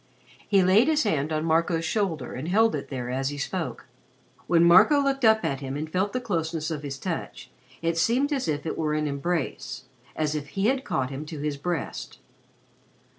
He laid his hand on Marco's shoulder and held it there as he spoke. When Marco looked up at him and felt the closeness of his touch, it seemed as if it were an embrace as if he had caught him to his breast.